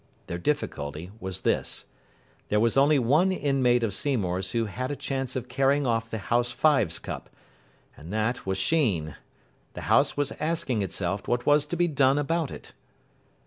Their difficulty was this. There was only one inmate of Seymour's who had a chance of carrying off the House Fives Cup. And that was Sheen. The house was asking itself what was to be done about it.